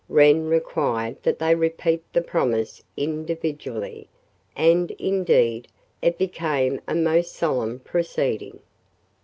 Wren required that they repeat the promise individually, and, indeed, it became a most solemn proceeding.